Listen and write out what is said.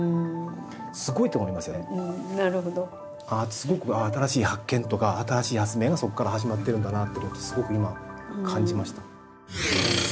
すごく新しい発見とか新しい発明がそこから始まってるんだなってことをすごく今感じました。